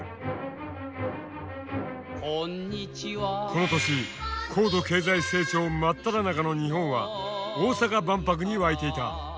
この年高度経済成長真っただ中の日本は大阪万博に沸いていた。